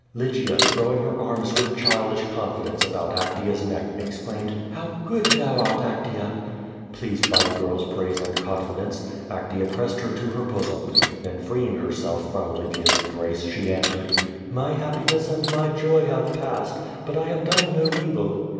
Lygia, throvdng her arms with childish confidence about Actea^s neck, exclaimed: "How good thou art, Actea!" Pleased by the girl's praise and confidence, Actea pressed her to her bosom. Then freeing herself from Lygia's em brace, she answered: "Aly happiness and my joy have passed, but I have done no evil."